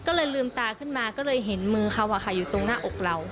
ก็เลยลืมตาขึ้นมาก็เลยเห็นมือเขาอยู่ตรงหน้าอกเรา